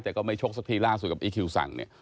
แต่ก็ไม่ชกสักทีล่าสุดกับอีคิวสั่งเนี่ย